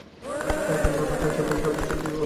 পাইকেন গঠনকারী ছত্রাক সদস্যকে কী বলে?